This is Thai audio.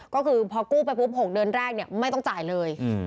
ก็คือพอกู้ไปปุ๊บ๖เดือนแรกไม่ต้องจ่ายเลย